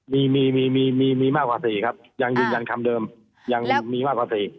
มีมีมีมากกว่า๔ครับยังยืนยันคำเดิมยังมีมากกว่า๔